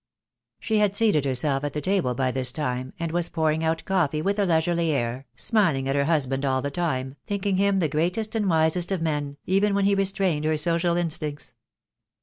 She had seated herself at the table by this time, and was pouring out coffee with a leisurely air, smiling at her husband all the time, thinking him the greatest and wisest of men, even when he restrained her social instincts.